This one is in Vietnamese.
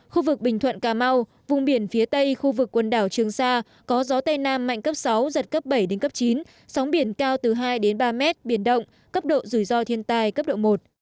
khu vực bình thuận cà mau vùng biển phía tây khu vực quần đảo trường sa có gió tây nam mạnh cấp sáu giật cấp bảy chín sóng biển cao từ hai ba m biển động cấp độ rủi ro thiên tài cấp độ một